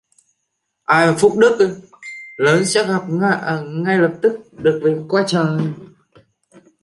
Ai mà phúc đức lớn sẽ ngay lập tức được về cõi trời